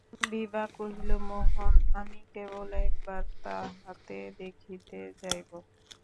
বিভা কহিল, মোহন, আমি কেবল একবার তাঁহাকে দেখিতে যাইব।